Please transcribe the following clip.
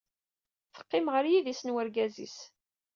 Teqqim ɣer yidis n wergaz-is.